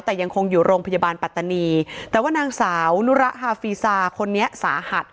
แต่ยังคงอยู่โรงพยาบาลปัตตานีแต่ว่านางสาวนุระฮาฟีซาคนนี้สาหัส